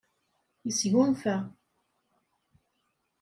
Yesgunfa.